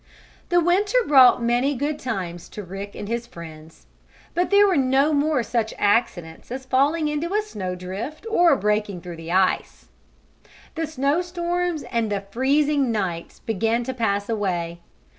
The winter brought many good times to Rick and his friends, but there were no more such accidents as falling into a snow drift or breaking through the ice. The snow storms and the freezing nights began to pass away.